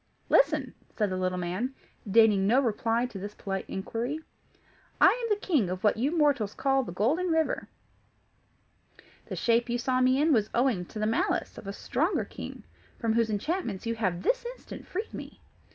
"Listen!" said the little man, deigning no reply to this polite inquiry. "I am the King of what you mortals call the Golden River. The shape you saw me in was owing to the malice of a stronger king, from whose enchantments you have this instant freed me.